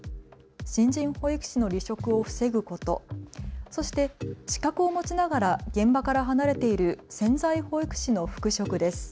新人保育士の離職を防ぐこと、そして資格を持ちながら現場から離れている潜在保育士の復職です。